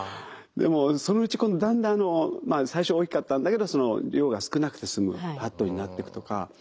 でもそのうちだんだん最初大きかったんだけど量が少なくて済むパッドになっていくとか。